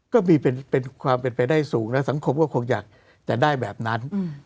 ก็เป็นความเป็นไปได้สูงนะสังคมก็คงอยากจะได้แบบนั้น